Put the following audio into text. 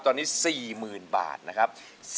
ตอนนี้๔๐๐๐บาทนะครับ